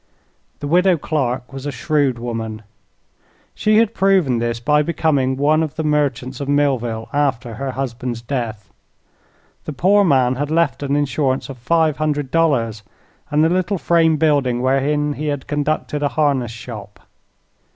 The Widow Clark was a shrewd woman. She had proven this by becoming one of the merchants of Millville after her husband's death. The poor man had left an insurance of five hundred dollars and the little frame building wherein he had conducted a harness shop.